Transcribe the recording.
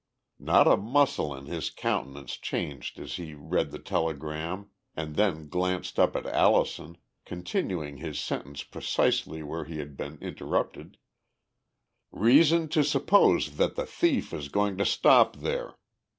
Not a muscle in his countenance changed as he read the telegram and then glanced up at Allison, continuing his sentence precisely where he had been interrupted: "Reason to suppose that the thief is going to stop there.